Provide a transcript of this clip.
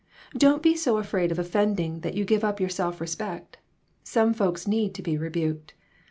Don't be so afraid of offending that you give up your self respect. Some folks need to be rebuked.